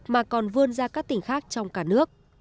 mà còn vươn ra các tỉnh khác trong cả nước